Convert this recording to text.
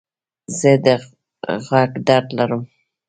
زه د غوږ درد لرم.